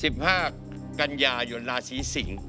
สิบห้ากัญญายนราศีสิงศ์